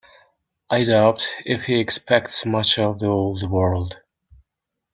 I doubt if he expects much of the old world.